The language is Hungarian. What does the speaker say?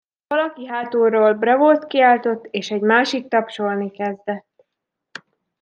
Valaki hátulról bravót kiáltott, és egy másik tapsolni kezdett.